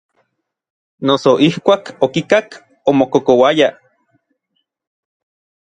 Noso ijkuak okikak omokokouaya.